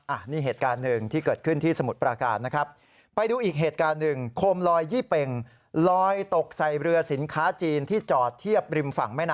อันนี้เหตุการณ์หนึ่งที่เกิดขึ้นที่สมุทรปราการนะครับ